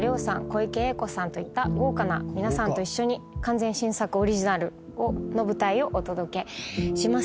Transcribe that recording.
小池栄子さんといった豪華な皆さんと一緒に完全新作オリジナルの舞台をお届けします。